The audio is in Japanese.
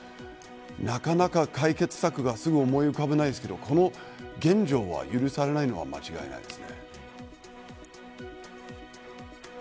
なかなか解決策はすぐ思い浮かばないですけどこの現状は許されないのは間違いないです。